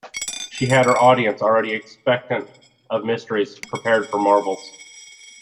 She had her audience already expectant of mysteries, prepared for marvels.